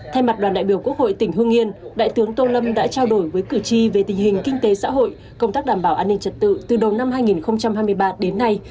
thay mặt đoàn đại biểu quốc hội tỉnh hương yên đại tướng tô lâm đã trao đổi với cử tri về tình hình kinh tế xã hội công tác đảm bảo an ninh trật tự từ đầu năm hai nghìn hai mươi ba đến nay